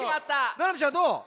ななみちゃんどう？